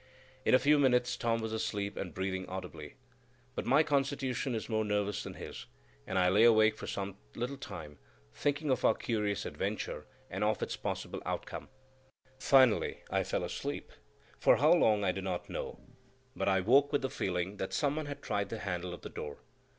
In a few minutes Tom was asleep and breathing audibly; but my constitution is more nervous than his, and I lay awake for some little time, thinking of our curious adventure and of its possible outcome. Finally, I fell asleep,—for how long I do not know: but I woke with the feeling that some one had tried the handle of the door.